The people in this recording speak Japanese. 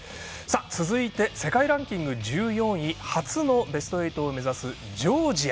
続いて、世界ランキング１４位初のベスト８を目指すジョージア。